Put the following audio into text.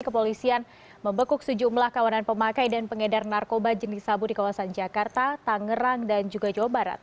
kepolisian membekuk sejumlah kawanan pemakai dan pengedar narkoba jenis sabu di kawasan jakarta tangerang dan juga jawa barat